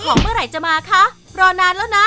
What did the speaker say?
เมื่อไหร่จะมาคะรอนานแล้วนะ